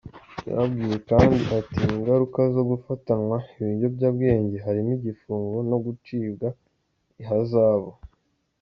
Yababwiye kandi ati :"Ingaruka zo gufatanwa ibiyobyabwenge harimo igifungo no gucibwa ihazabu.